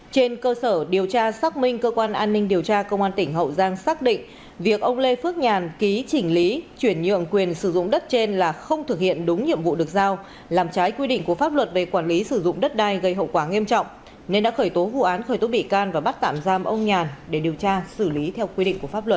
trên cơ sở điều tra xác minh cơ quan an ninh điều tra công an tỉnh hậu giang xác định việc ông lê phước nhàn ký chỉnh lý chuyển nhượng quyền sử dụng đất trên là không thực hiện đúng nhiệm vụ được giao làm trái quy định của pháp luật về quản lý sử dụng đất đai gây hậu quả nghiêm trọng nên đã khởi tố vụ án khởi tố bị can và bắt tạm giam ông nhàn để điều tra xử lý theo quy định của pháp luật